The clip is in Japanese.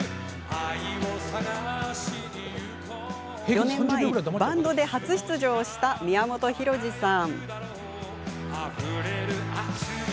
４年前、バンドで初出場した宮本浩次さん。